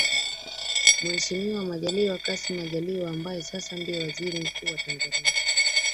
Mheshimiwa Majaliwa Kassim Majaliwa ambaye sasa ndiye Waziri Mkuu wa Tanzania